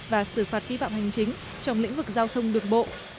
và xử phạt vi phạm hành chính trong lĩnh vực giao thông đường bộ